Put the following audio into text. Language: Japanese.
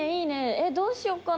えっどうしよっかな。